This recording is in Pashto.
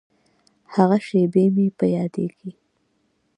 هغه شېبې مې په یادیږي.